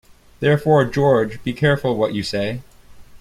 Therefore, George, be careful what you say.